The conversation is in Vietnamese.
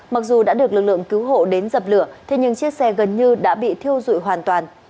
mặc dù đã được lực lượng cứu hộ đến dập lửa thế nhưng chiếc xe gần như đã bị thiêu dụi hoàn toàn